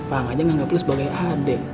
pak ang aja gak perlu sebagai adik